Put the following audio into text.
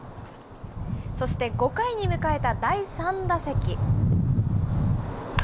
そして、５回に迎えた第３打席。